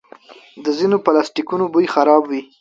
د ځینو پلاسټیکونو بوی خراب وي.